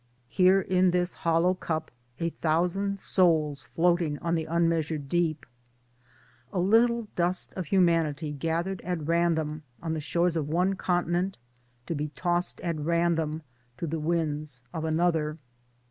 Here in this hollow cup a thousand souls floating on the unmeasured deepŌĆö A little dust of humanity gathered at random on the shores of one continent, to be tossed at random to the winds of another.